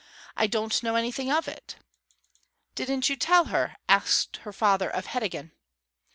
'I don't know anything of it.' 'Didn't you tell her?' asked her father of Heddegan.